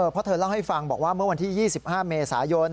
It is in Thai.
เพราะเธอเล่าให้ฟังบอกว่าเมื่อวันที่๒๕เมษายน